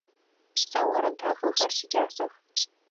Сэ орэд дахэхэр сикӏасэх.